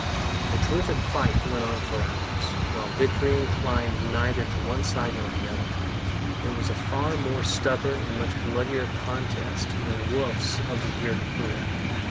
The terrific fight went on for hours, while victory inclined neither to one side nor the other. It was a far more stubborn and much bloodier contest than Wolfe's of the year before.